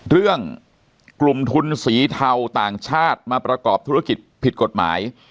เรื่องกลุ่มทุนสีเทาต่างชาติมาประกอบธุรกิจผิดกฎหมาย